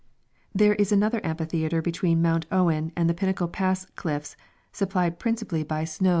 There is another amphitheatre between Mount Owen and the Pinnacle pass cliiTs supplied principally by snows * Eighth Ann.